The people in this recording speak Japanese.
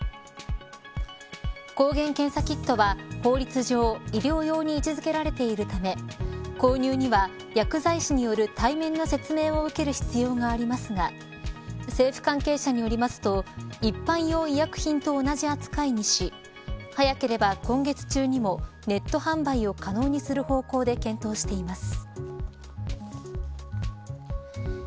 抗原検査キットは法律上医療用に位置付けられているため購入には、薬剤師による対面の説明を受ける必要がありますが政府関係者によりますと一般用医薬品と同じ扱いにし早ければ、今月中にもネット販売を可能にする方向で検討しています。